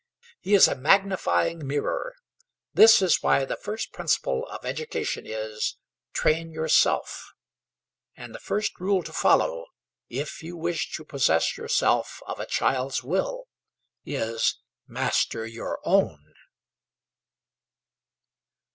He is a magnifying mirror. This is why the first principle of education is, Train yourself; and the first rule to follow, if you wish to possess yourself of a child's will, is, Master your own.